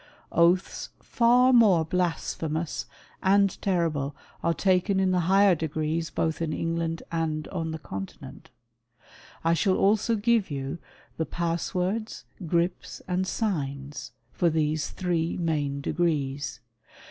Oaths flir more blasphemous and terrible are taken in the higher degrees both in England and on the Continent. I shall also give you the passwords, grips, and signs for these three main degrees.